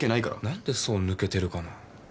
何でそう抜けてるかな。